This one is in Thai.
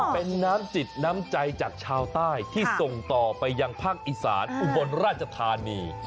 เป็นน้ำจิตน้ำใจจากชาวใต้ที่ส่งต่อไปยังภาคอีสานอุบลราชธานี